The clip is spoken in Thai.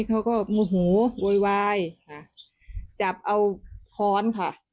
เค้าก็โมโหบ่อยไว้จับเอาขอนค่ะ